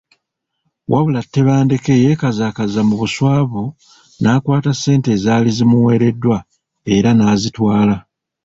Wabula Tebandeke yeekazakaza mu buswavu n’akwata ssente ezaali zimuweereddwa era n’azitwala.